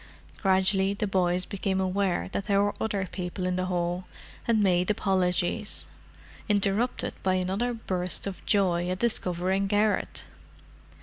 Gradually the boys became aware that there were other people in the hall, and made apologies—interrupted by another burst of joy at discovering Garrett.